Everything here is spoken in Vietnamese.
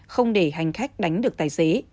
không để hành khách đánh được tài xế